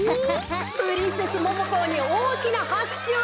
プリンセスモモコーにおおきなはくしゅを。